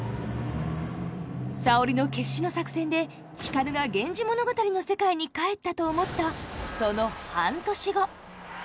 沙織の決死の作戦で光が「源氏物語」の世界に帰ったと思ったその半年後。